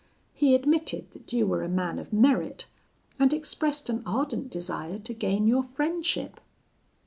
He admitted that you were a man of merit, and expressed an ardent desire to gain your friendship.